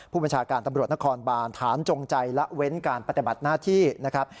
ผู้บัญชาการตำรวจนครบานฐานจงใจละเว้นการปฏิบัติหน้าที่นะครับ